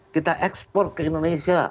kita ekspor ke indonesia